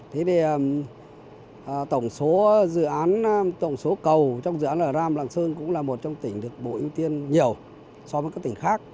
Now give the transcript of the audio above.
thế thì tổng số dự án tổng số cầu trong dự án lram lãng sơn cũng là một trong tỉnh được bộ ứng tiên nhiều so với các tỉnh khác